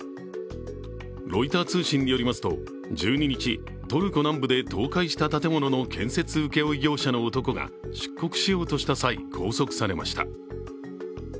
ロイター通信によりますと１２日、トルコ南部で倒壊した建物の建設請負業者の男が出国しようとした際、拘束されました。